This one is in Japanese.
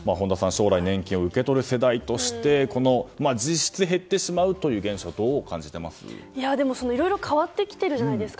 将来年金を受け取る世代として実質減ってしまうという現象でも、いろいろ変わってきてるじゃないですか。